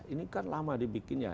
ini kan lama dibikinnya